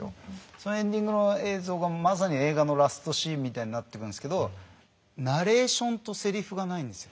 そのエンディングの映像がまさに映画のラストシーンみたいになってくるんすけどナレーションとセリフがないんですよ。